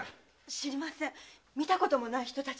知りません見たこともない人たちです。